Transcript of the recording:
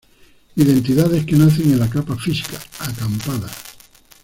Identidades que nacen en la capa física: Acampadas.